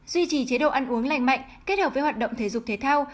duy trì chế độ ăn uống lành mạnh kết hợp với hoạt động thể dục thể thao